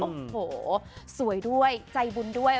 โอ้โหสวยด้วยใจบุญด้วย